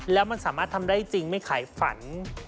แล้วมันสามารถทำได้จริงไม่ขายฝัน